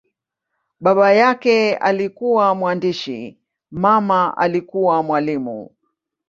Baba yake alikuwa mwandishi, mama alikuwa mwalimu.